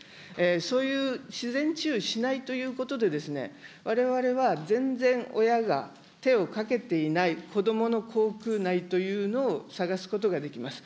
そういう自然治癒しないということで、われわれは全然、親が手をかけていない子どもの口腔内というのを探すことができます。